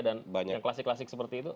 dan yang klasik klasik seperti itu